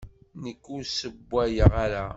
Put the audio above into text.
Nekk ur ssewwayeɣ ara.